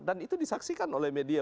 dan itu disaksikan oleh media